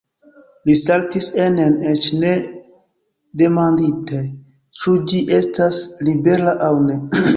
Li saltis enen, eĉ ne demandinte, ĉu ĝi estas libera aŭ ne.